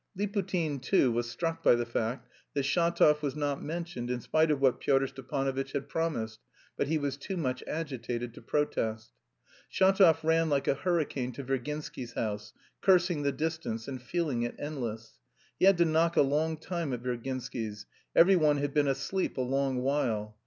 Liputin, too, was struck by the fact that Shatov was not mentioned in spite of what Pyotr Stepanovitch had promised, but he was too much agitated to protest. Shatov ran like a hurricane to Virginsky's house, cursing the distance and feeling it endless. He had to knock a long time at Virginsky's; every one had been asleep a long while.